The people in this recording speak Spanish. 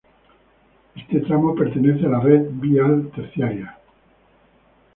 Este tramo pertenece a la red vial terciaria.